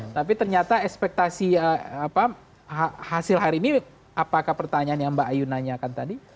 tapi ternyata ekspektasi hasil hari ini apakah pertanyaan yang mbak ayu nanyakan tadi